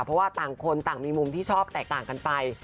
เพราะว่าต่างคนต่างมีมุมที่ชอบแตกต่างกันไป